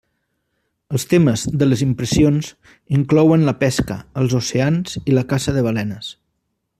Els temes de les impressions inclouen la pesca, els oceans i la caça de balenes.